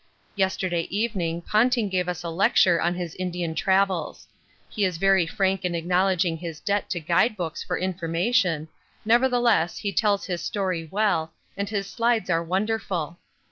Yesterday evening Ponting gave us a lecture on his Indian travels. He is very frank in acknowledging his debt to guide books for information, nevertheless he tells his story well and his slides are wonderful.